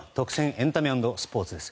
エンタメ＆スポーツです。